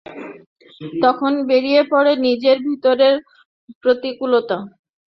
তখন বেরিয়ে পড়ে নিজের ভিতরের প্রতিকূলতা।